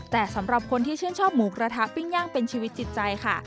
แต่สำหรับคนที่ชื่นชอบหมูกระทะปิ้งย่างเป็นชีวิตจิตใจค่ะ